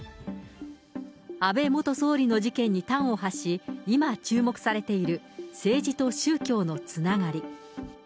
安倍元総理の事件に端を発し、今、注目されている政治と宗教のつながり。